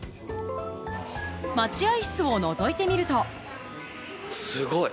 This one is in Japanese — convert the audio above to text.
待合室をのぞいてみると。